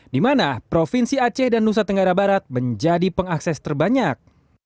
di mana provinsi aceh dan nusa tenggara barat menjadi pengakses terbanyak